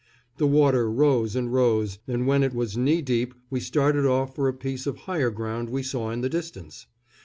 The water rose and rose, and when it was knee deep we started off for a piece of higher ground we saw in the distance.